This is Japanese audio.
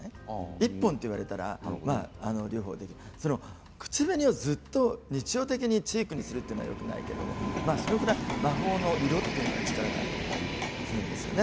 １本と言われたら両方できる口紅をずっと日常的にチークにするというのはよくないけど、そのぐらい魔法の色というのは力がある気がするんですよね。